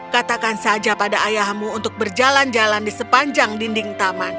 katakan saja pada ayahmu untuk berjalan jalan di sepanjang dinding taman